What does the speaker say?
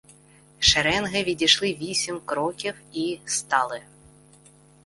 Шеренги відійшли вісім кроків і стали.